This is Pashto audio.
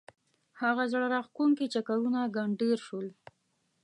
هغه زړه راکښونکي چکرونه ګنډېر شول.